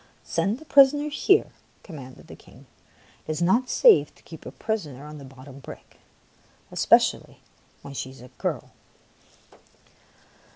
" Send the prisoner here," commanded the King. " It is not safe to keep a prisoner on the bottom brick — especially when she is a girl."